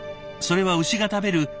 それは牛が食べる